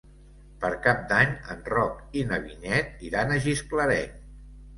Per Cap d'Any en Roc i na Vinyet iran a Gisclareny.